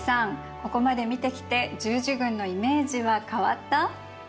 ここまで見てきて十字軍のイメージは変わった？